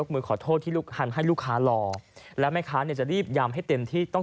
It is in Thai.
คือแบบว่าโอ้โหแบบใส่ใจลูกค้าเลือกเกิน